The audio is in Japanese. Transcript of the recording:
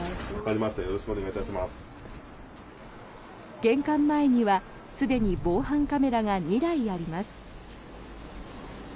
玄関前にはすでに防犯カメラが２台あります。